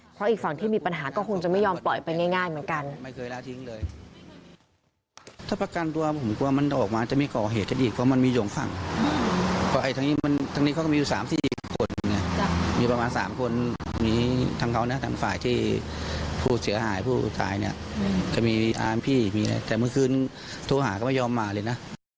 เพราะอีกฝั่งที่มีปัญหาก็คงจะไม่ยอมปล่อยไปง่ายเหมือนกัน